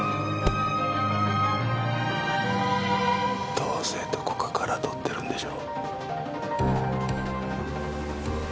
どうせどこかから撮ってるんでしょ？